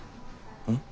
うん？